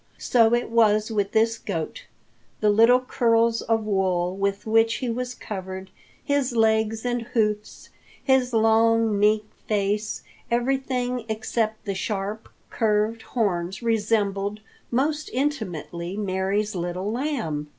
So it was with this goat. The little curls of wool with which he was covered, his legs and hoofs, his long, meek face, everything except the sharp, curved horns resembled most intimately Mary's little lamb.